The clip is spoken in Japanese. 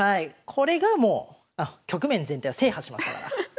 これがもう局面全体を制覇しましたから。